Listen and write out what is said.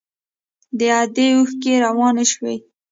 د ادې اوښکې روانې سوې.